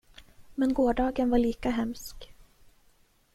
Men gårdagen var lika hemsk.